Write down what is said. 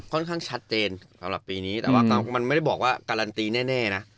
ค่อนข้างชัดเจนสำหรับปีนี้แต่ว่ามันไม่ได้บอกว่าการันตีแน่นะ